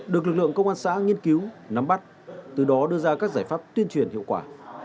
được lực lượng công an xã nghiên cứu nắm bắt từ đó đưa ra các giải pháp tuyên truyền hiệu quả